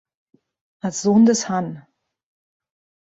Als Sohn des Hann.